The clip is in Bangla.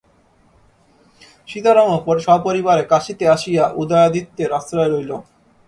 সীতারামও সপরিবারে কাশীতে আসিয়া উদয়াদিত্যের আশ্রয় লইল।